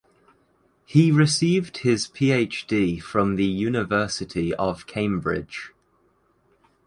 He received his PhD from the University of Cambridge.